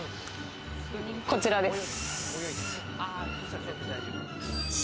こちらです。